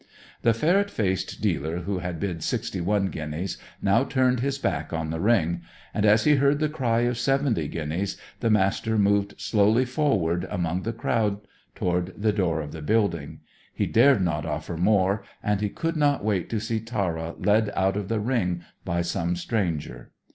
The ferret faced dealer who had bid sixty one guineas now turned his back on the ring; and, as he heard the cry of seventy guineas, the Master moved slowly forward among the crowd toward the door of the building. He dared not offer more, and he could not wait to see Tara led out of the ring by some stranger.